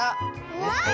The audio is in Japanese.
うわ！